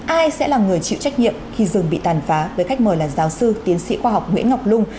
ai sẽ là người chịu trách nhiệm khi rừng bị tàn phá với khách mời là giáo sư tiến sĩ khoa học nguyễn ngọc lung